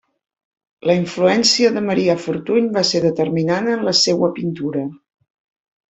La influència de Marià Fortuny va ser determinant en la seua pintura.